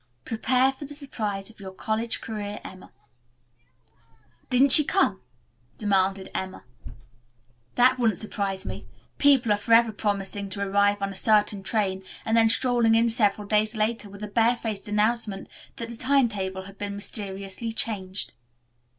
"Prepare for the surprise of your college career, Emma." "Didn't she come?" demanded Emma, "That wouldn't surprise me. People are forever promising to arrive on a certain train and then strolling in several days later with the barefaced announcement that the time table had been mysteriously changed."